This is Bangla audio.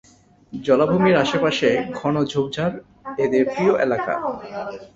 জলাভূমির আশেপাশে ঘন ঝোপঝাড় এদের প্রিয় এলাকা।